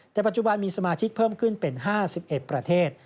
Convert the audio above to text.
แต่ปัจจุบันมีสมาชิกเพิ่มขึ้นเป็น๕๑ประเทศ